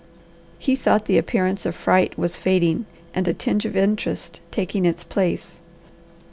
He thought the appearance of fright was fading, and a tinge of interest taking its place.